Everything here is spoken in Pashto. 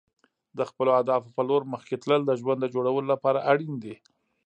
د خپلو اهدافو په لور مخکې تلل د ژوند د جوړولو لپاره اړین دي.